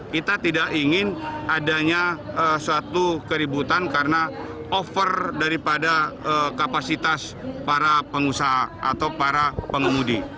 kita tidak ingin adanya suatu keributan karena over daripada kapasitas para pengusaha atau para pengemudi